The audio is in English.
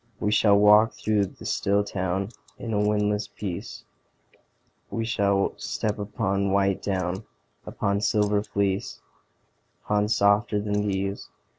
We shall walk through the still town In a windless peace; We shall step upon white down, Upon silver fleece, Upon softer than these.